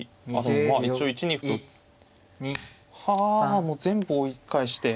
あもう全部追い返して。